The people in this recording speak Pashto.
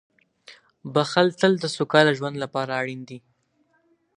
• بښل تل د سوکاله ژوند لپاره اړین دي.